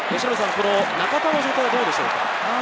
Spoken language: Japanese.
中田の状態はどうでしょう？